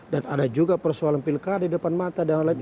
dan ada juga persoalan pilkada di depan mata dan lain lain